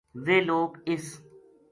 ویہ لوک اِس